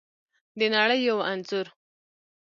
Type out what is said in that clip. د نړۍ یو انځور